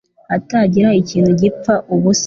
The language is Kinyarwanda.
hatagira ikintu gipfa ubusa”